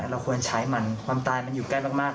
เราควรใช้มันความตายมันอยู่ใกล้มาก